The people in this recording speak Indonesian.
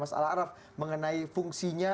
mas alarraf mengenai fungsinya